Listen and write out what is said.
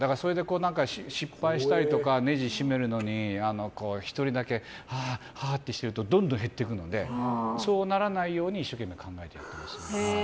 失敗したりとかネジ締めるのに１人だけハアハアしてるとどんどん減っていくのでそうならないように一生懸命考えてやってますね。